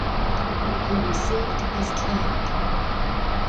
He received his cand.